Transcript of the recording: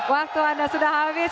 waktu anda sudah habis